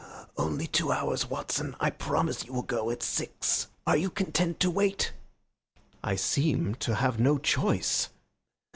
"Only two hours, Watson. I promise you will go at six. Are you content to wait?" "I seem to have no choice."